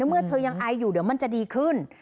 เมื่อเธอยังไออยู่เดี๋ยวมันจะดีขึ้น